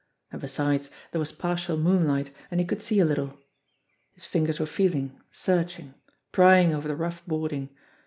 And, besides, there was partial moonlight, and he could see a little. His fingers were feeling, searching, prying over the rough boarding.